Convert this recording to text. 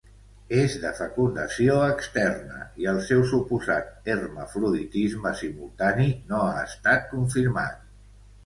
És de fecundació externa i el seu suposat hermafroditisme simultani no ha estat confirmat.